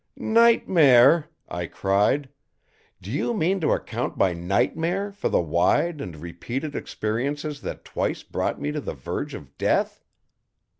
"Nightmare!" I cried. "Do you mean to account by nightmare for the wide and repeated experiences that twice brought me to the verge of death?